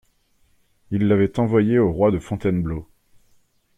Il l'avait envoyée au roi de Fontainebleau.